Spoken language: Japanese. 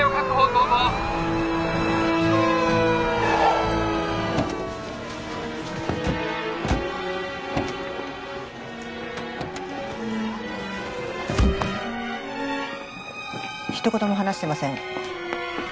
どうぞ」ひと言も話してません。